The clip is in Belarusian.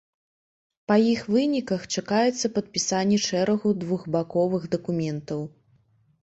Па іх выніках чакаецца падпісанне шэрагу двухбаковых дакументаў.